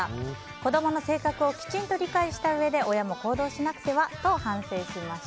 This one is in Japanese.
子供の性格をきちんと理解したうえで親も行動しなくてはと反省しました。